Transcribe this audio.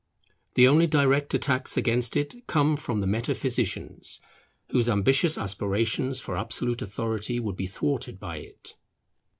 The only direct attacks against it come from the metaphysicians, whose ambitious aspirations for absolute authority would be thwarted by it.